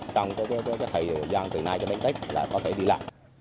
trong thời gian từ nay cho mấy tích là có thể đi lại